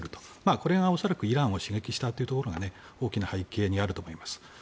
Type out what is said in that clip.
これが恐らくイランを刺激したというのが大きな背景にあると思います。